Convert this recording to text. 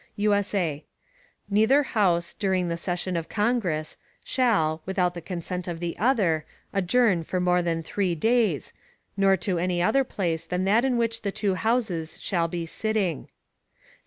[USA] Neither House, during the Session of Congress, shall, without the Consent of the other, adjourn for more than three days, nor to any other Place than that in which the two Houses shall be sitting.